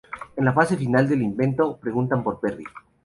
En la fase final del invento, preguntan por Perry.